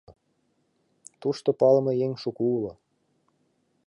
«Тушто палыме еҥ шуко уло.